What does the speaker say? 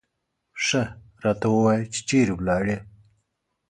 ښه راته ووایه چې چېرې ولاړې.